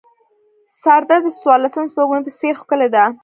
سارده د څوارلسم سپوږمۍ په څېر ښکلې ده.